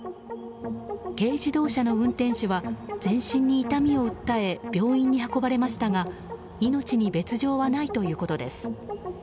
軽自動車の運転手は全身に痛みを訴え病院に運ばれましたが命に別条はないということです。